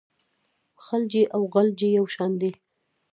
خلجي او غلجي یو شان دي.